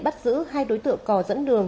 bắt giữ hai đối tượng cò dẫn đường